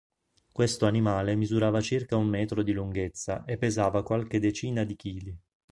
Questo animale misurava circa un metro di lunghezza e pesava qualche decina di chili.